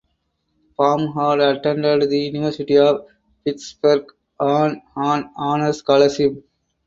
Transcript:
Bomhard attended the University of Pittsburgh on an honour scholarship.